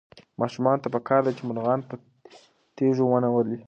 ماشومانو ته پکار ده چې مرغان په تیږو ونه ولي.